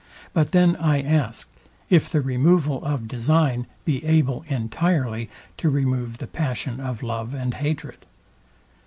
But then I ask, if the removal of design be able entirely to remove the passion of love and hatred?